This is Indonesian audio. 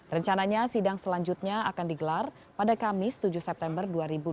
rencananya sidang selanjutnya akan digelar pada kamis tujuh september dua ribu dua puluh